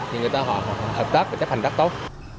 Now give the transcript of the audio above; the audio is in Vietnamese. thì họ hợp tác và chấp hành rất tốt